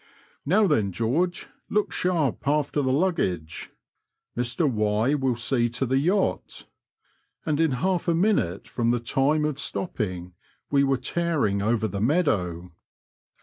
" Now, then, George ; look sharp after the luggage. Mr Y will see to the yacht ;" and in half a minute from the time of stopping we were tearing over the meadow.